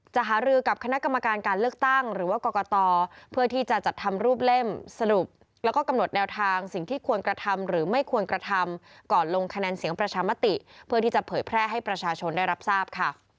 หารือกับคณะกรรมการการเลือกตั้งหรือว่ากรกตเพื่อที่จะจัดทำรูปเล่มสรุปแล้วก็กำหนดแนวทางสิ่งที่ควรกระทำหรือไม่ควรกระทำก่อนลงคะแนนเสียงประชามติเพื่อที่จะเผยแพร่ให้ประชาชนได้รับทราบค่ะ